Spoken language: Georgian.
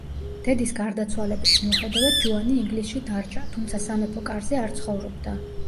დედის გარდაცვალების მიუხედავად ჯოანი ინგლისში დარჩა, თუმცა სამეფო კარზე არ ცხოვრობდა.